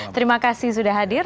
terima kasih sudah hadir